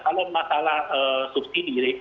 kalau masalah subsidi